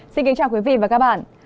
xin kính chào quý vị và các bạn